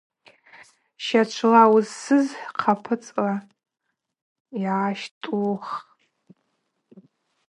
Щачвла уызсыз хъапыцла йгӏащтӏуххпӏ.